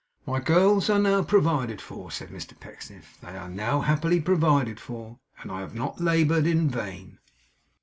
'My girls are now provided for,' said Mr Pecksniff. 'They are now happily provided for, and I have not laboured in vain!